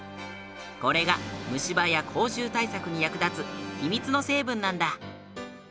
これが虫歯や口臭対策に役立つ秘密の成分なんだ。